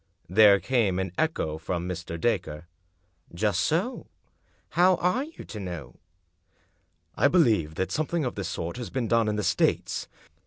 There came an echo from Mr. Dacre. "Just so — how are you to know?" " I believe that something of this sort has been done in the States."